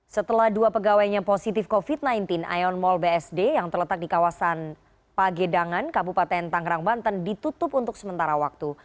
setelah dua pegawainya positif covid sembilan belas ion mall bsd yang terletak di kawasan pagedangan kabupaten tangerang banten ditutup untuk sementara waktu